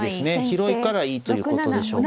広いからいいということでしょうか。